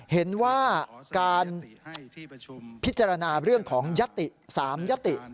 เห็นว่าการพิจารณาเรื่องของยติ๓ยติ